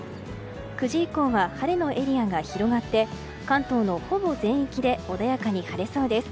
９時以降は晴れのエリアが広がって関東のほぼ全域で穏やかに晴れそうです。